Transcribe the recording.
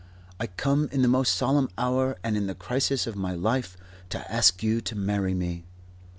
"I come in the most solemn hour and in the crisis of my life to ask you to marry me.